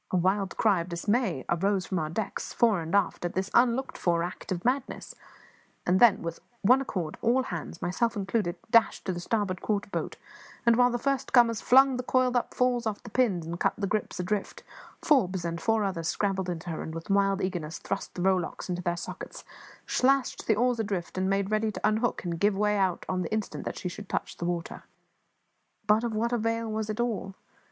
A wild cry of dismay arose from our decks, fore and aft, at this unlooked for act of madness; and then, with one accord, all hands, myself included, dashed to the starboard quarter boat and, while the first comers flung the coiled up falls off the pins and cut the gripes adrift, Forbes and four others scrambled into her and, with wild eagerness, thrust the rowlocks into their sockets, slashed the oars adrift, and made ready to unhook and give way on the instant that she should touch the water. But of what avail was it all?